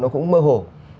nó cũng mơ hồ